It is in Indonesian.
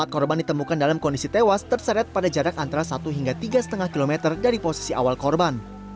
empat korban ditemukan dalam kondisi tewas terseret pada jarak antara satu hingga tiga lima km dari posisi awal korban